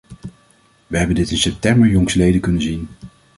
We hebben dit in september jongstleden kunnen zien.